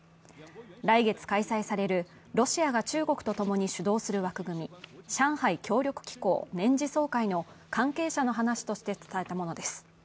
来月開催されるロシアが中国と共に主導する枠組み、上海協力機構年次総会の関係者の話として伝えたものです。